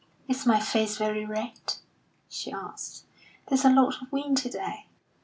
"Is my face very red?" she asked. "There's a lot of wind to day."